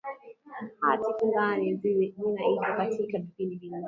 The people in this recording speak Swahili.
hati fungani zinaiva katika vipindi vinne